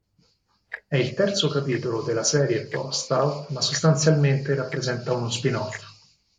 È il terzo capitolo della serie "Postal", ma sostanzialmente rappresenta uno spin-off.